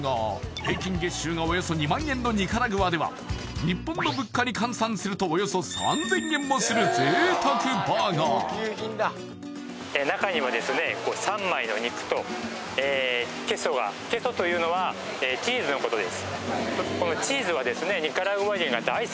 平均月収がおよそ２万円のニカラグアでは日本の物価に換算するとおよそ３０００円もする贅沢バーガーケソというのはチーズのことです